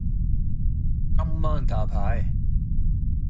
今晚打牌